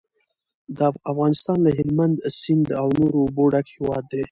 افغانستان له هلمند سیند او نورو اوبو ډک هیواد دی.